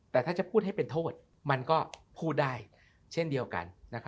แต่ถ้าจะพูดให้เป็นโทษมันก็พูดได้เช่นเดียวกัน